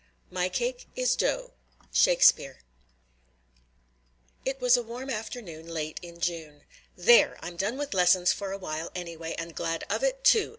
"My cake is dough." Shakespeare. It was a warm afternoon late in June. "There! I'm done with lessons for a while anyway, and glad of it too!"